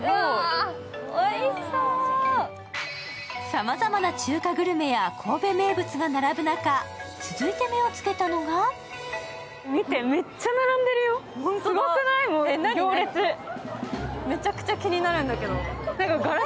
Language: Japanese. さまざまな中華グルメや神戸名物が並ぶ中、続いて目をつけたのがめちゃくちゃ気になるんだけど。